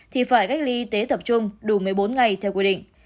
thì phải cách ly y tế tập trung đủ một mươi bốn ngày theo quy định